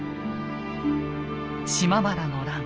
島原の乱。